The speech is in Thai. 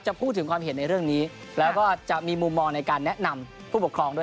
พูดถึงความเห็นในเรื่องนี้แล้วก็จะมีมุมมองในการแนะนำผู้ปกครองด้วย